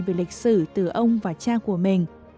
về lịch sử từ ông và cha của mình